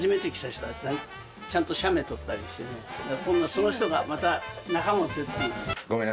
その人がまた仲間を連れてくるんですよ。